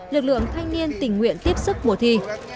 lực lượng thanh niên tình nguyện tiếp sức mùa thi